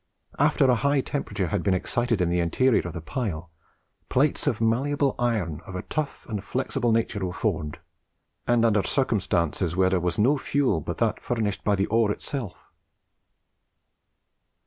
After a high temperature had been excited in the interior of the pile, plates of malleable iron of a tough and flexible nature were formed, and under circumstances where there was no fuel but that furnished by the ore itself."